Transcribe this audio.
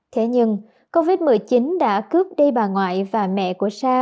thế nhưng covid một mươi chín đã cướp đi bà ngoại và mẹ của sa